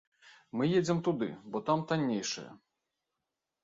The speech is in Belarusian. Мы едзем туды, бо там таннейшае.